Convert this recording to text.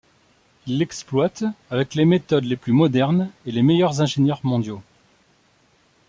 Il l'exploite avec les méthodes les plus modernes et les meilleurs ingénieurs mondiaux.